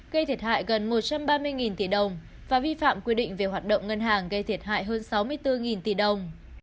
gây thiệt hại gần một trăm ba mươi tỷ đồng và vi phạm quy định về hoạt động ngân hàng gây thiệt hại hơn sáu mươi bốn tỷ đồng